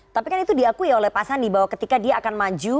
tapi kan itu diakui oleh pak sandi bahwa ketika dia akan maju